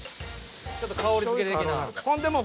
ちょっと香り付け的な。